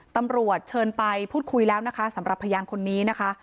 ตำรวจเชิญไปพูดคุยแล้วนะคะสำหรับพยานคนนี้นะคะ